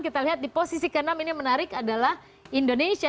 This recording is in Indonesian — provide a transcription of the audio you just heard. kita lihat di posisi ke enam ini menarik adalah indonesia